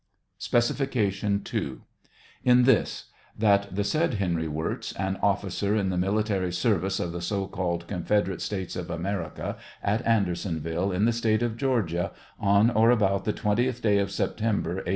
Specification 2. — In this : that the said Henry Wirz, an officer in the military service of the so called Confederate States of America, at Andersonville, in the State of Georgia, on or about the twentieth day of September, A.